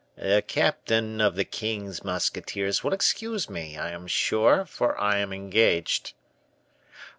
"The captain of the king's musketeers will excuse me, I am sure, for I am engaged."